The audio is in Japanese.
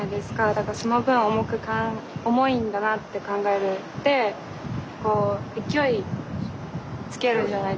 だからその分重いんだなって考えてこう勢いつけるじゃないですか持ち上げるのに。